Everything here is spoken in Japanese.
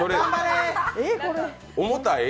重たい？